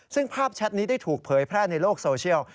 ซึ่งภาพแชทนี้ได้ถูกเผยแพร่ในโลกโซเชียล